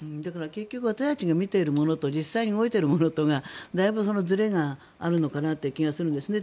結局私たちが見ているものと実際に動いているものがだいぶずれがあるのかなという気がするんですね。